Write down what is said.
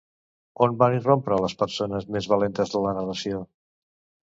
On van irrompre les persones més valentes de la narració?